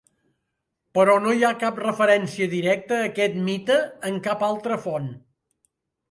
Però no hi ha cap referència directa a aquest mite en cap altra font.